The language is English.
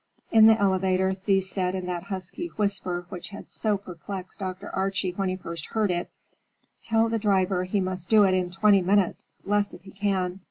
In the elevator Thea said in that husky whisper which had so perplexed Dr. Archie when he first heard it, "Tell the driver he must do it in twenty minutes, less if he can.